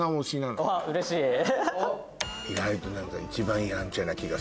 うれしい。